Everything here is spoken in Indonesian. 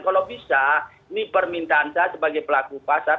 kalau bisa ini permintaan saya sebagai pelaku pasar